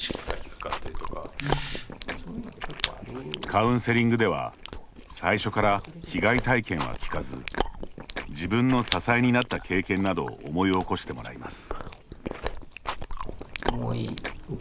カウンセリングでは最初から被害体験は聞かず自分の支えになった経験などを思い起こしてもらいます。